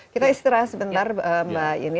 kita istirahat sebentar mbak yeni